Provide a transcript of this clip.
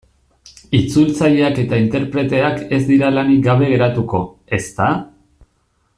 Itzultzaileak eta interpreteak ez dira lanik gabe geratuko, ezta?